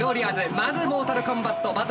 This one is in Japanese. まずモータルコンバット。